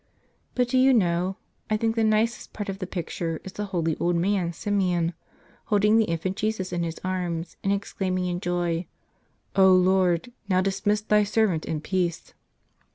But, do you know, I think the nicest part of the picture is the holy old man, Simeon, holding the Infant Jesus in his arms and ex¬ claiming in joy: "O Lord, now dismiss Thy servant in peace."